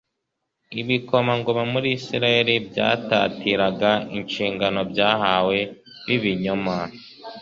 ibikomangoma muri isirayeli byatatiraga inshingano byahawe; b'ibinyoma